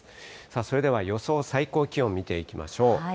それでは予想最高気温、見ていきましょう。